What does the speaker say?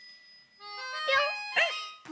ぴょん！